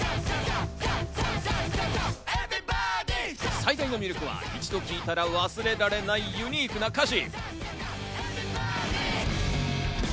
最大の魅力は一度聴いたら忘れられないユニークな歌詞。